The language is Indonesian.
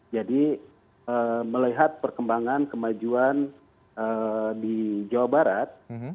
jadi melihat perkembangan kemajuan di jawa barat